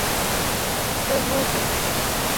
এই, উঠ।